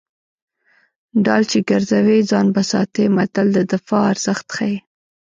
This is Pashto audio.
ډال چې ګرځوي ځان به ساتي متل د دفاع ارزښت ښيي